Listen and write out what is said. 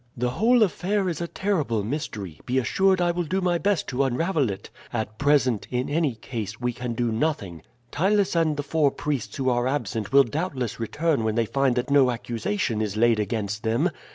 The whole affair is a terrible mystery; be assured I will do my best to unravel it. At present, in any case, we can do nothing. Ptylus and the four priests who are absent will doubtless return when they find that no accusation is laid against them.